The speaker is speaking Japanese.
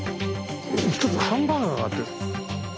１つハンバーガーがあったよ。